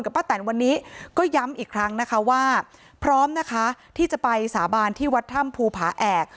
ป้าแตนวันนี้ก็ย้ำอีกครั้งนะคะว่าพร้อมนะคะที่จะไปสาบานที่วัดถ้ำภูผาแอก